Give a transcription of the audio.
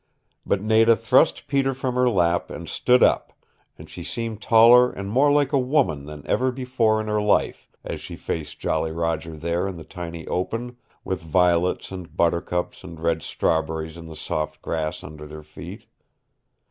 But Nada thrust Peter from her lap, and stood up, and she seemed taller and more like a woman than ever before in her life as she faced Jolly Roger there in the tiny open, with violets and buttercups and red strawberries in the soft grass under their feet.